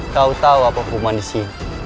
kau tahu apa khumah disini